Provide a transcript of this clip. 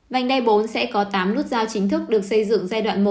vành đai bốn sẽ có tám nút giao chính thức được xây dựng giai đoạn một